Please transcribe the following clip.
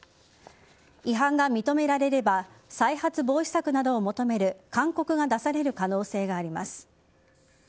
違反が認められれば再発防止策などを求める勧告が出される可能性があります。